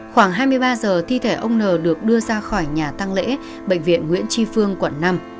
khoảng hai mươi ba giờ thi thể ông n được đưa ra khỏi nhà tăng lễ bệnh viện nguyễn tri phương quận năm